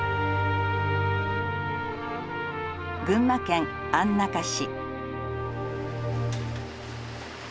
群馬県安中市。